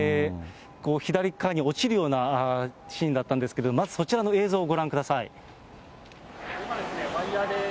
左側に落ちるようなシーンだったんですが、まずそちらの映像をご覧ください。